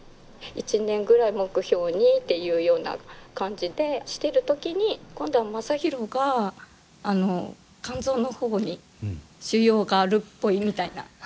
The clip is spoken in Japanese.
１年ぐらい目標にっていうような感じでしてる時に今度はマサヒロが肝臓の方に腫瘍があるっぽいみたいな。